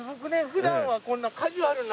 普段はこんなカジュアルな。